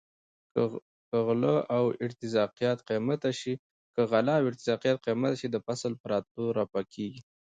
که غله او ارتزاقیات قیمته شي د فصل په راتلو رفع کیږي.